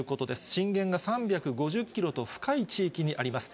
震源が３５０キロと、深い地域にあります。